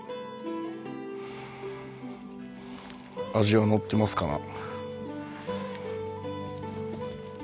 味はのってますかな。